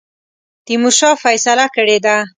تیمورشاه فیصله کړې ده.